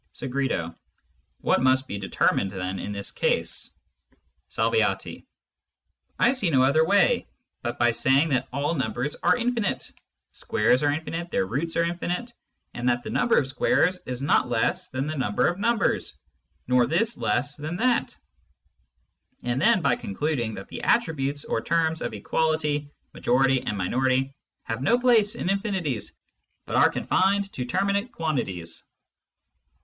" 5dEgr. What must be determin'd then in this Case ?^^ Salv. I see no other way, but by saying that all Numbers are infinite ; Squares are Infinite, their Roots Infinite, and that the Number of Squares is not less than the Number of Numbers, nor this less than that : and then by concluding that the Attributes or Terms of Equality, Majority, and Minority, have no Place in Infinites, but are confin'd to terminate Quantities."